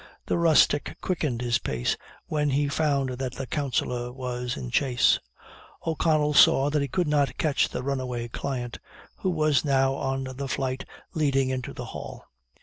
The rustic quickened his pace when he found that the counsellor was in chase. O'Connell saw that he could not catch the runaway client, who was now on the flight leading into the hall.